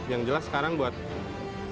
yang jelas sekarang buat